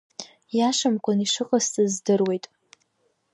Иашамкәан ишыҟасҵаз здыруеит.